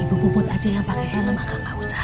ibu bubut aja yang pake helm akan gak usah